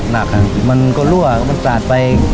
เพราะขนตกหนักมันก็ลั่วครับมันชัดไป